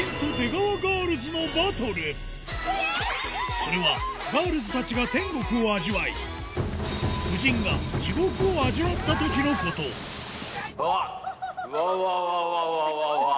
それはガールズたちが天国を味わい夫人が地獄を味わったときのことうわっ！